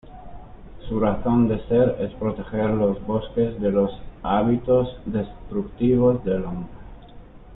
Su razón de ser es proteger los bosques de los hábitos destructivos del hombre.